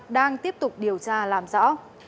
đang tiếp tục điều tra làm rõ